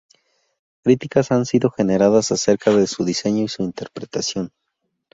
Críticas han sido generadas acerca de su diseño y su interpretación.